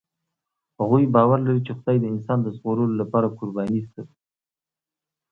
هغوی باور لري، چې خدای د انسان د ژغورلو لپاره قرباني شو.